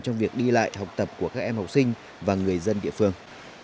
trong việc đi lại học tập của các em học sinh và người dân địa phương